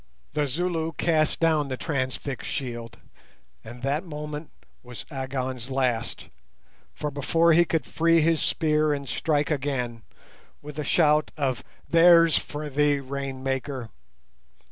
The Zulu cast down the transfixed shield, and that moment was Agon's last, for before he could free his spear and strike again, with a shout of "_There's for thee, Rain maker!